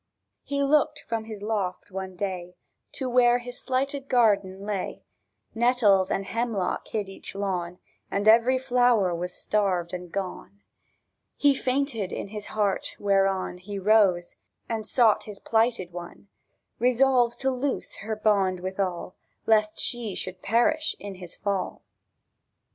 He lookèd from his loft one day To where his slighted garden lay; Nettles and hemlock hid each lawn, And every flower was starved and gone. He fainted in his heart, whereon He rose, and sought his plighted one, Resolved to loose her bond withal, Lest she should perish in his fall.